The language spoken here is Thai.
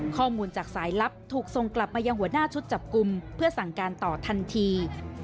ข้อมูลจากสายลับถูกส่งกลับมายังหัวหน้าชุดจับกลุ่มเพื่อสั่งการต่อทันที